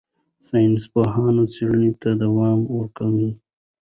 ساینسپوهان څېړنې ته دوام ورکوي.